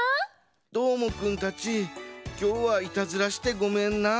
どーもくんたちきょうはイタズラしてごめんな。